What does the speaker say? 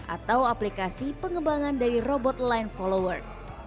atau aplikasi pengembangan dari robot line follower